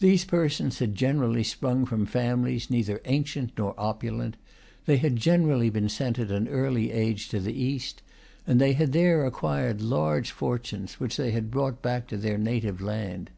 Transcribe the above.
These persons had generally sprung from families neither ancient nor opulent; they had generally been sent at an early age to the East; and they had there acquired large fortunes, which they had brought back to their native land.